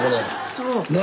そう。